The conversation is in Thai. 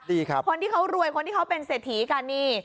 ดีครับคนที่เขารวยคนที่เขาเป็นเศรษฐีกันนี่